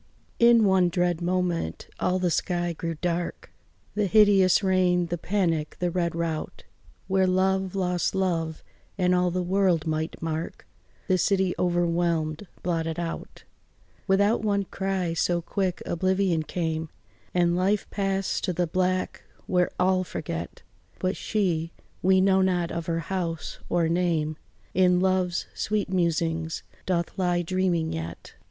In one dread moment all the sky grew dark, The hideous rain, the panic, the red rout, Where love lost love, and all the world might mark The city overwhelmèd, blotted out Without one cry, so quick oblivion came, And life passed to the black where all forget; But she we know not of her house or name In love's sweet musings doth lie dreaming yet.